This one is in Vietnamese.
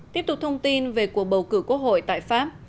tiếp tục thông tin về cuộc bầu cử quốc hội tại pháp